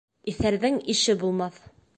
Иҫәрҙең ише булмаҫ